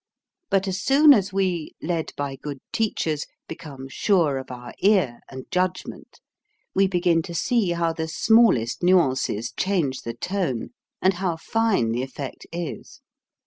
But as soon as we, led by good teachers, be come sure of our ear and judgment, we begin to see how the smallest nuances change the tone and how fine the effect is.